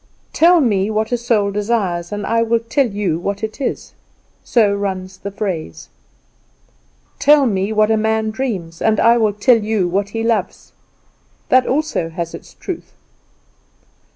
"Tell me what a soul desires, and I will tell you what it is." So runs the phrase. "Tell me what a man dreams, and I will tell you what he loves." That also has its truth.